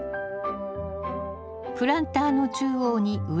プランターの中央に植え穴を作り